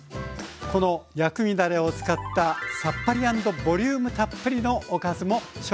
この薬味だれを使ったさっぱり＆ボリュームたっぷりのおかずも紹介します。